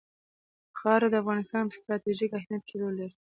خاوره د افغانستان په ستراتیژیک اهمیت کې رول لري.